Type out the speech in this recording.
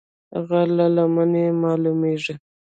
غر له لمنې مالومېږي